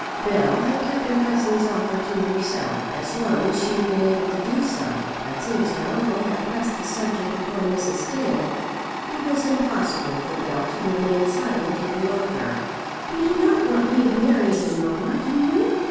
Bell had kept her cousin's offer to herself as long as she had been able to do so; but since her uncle had pressed the subject upon Mrs. Dale, it was impossible for Bell to remain silent any longer. "You do not want me to marry him, mamma; do you?"